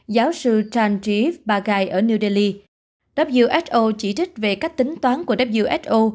giáo sư chandri pagai ở new delhi who chỉ trích về cách tính toán của who